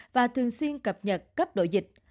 và thường xuyên cập nhật cấp độ dịch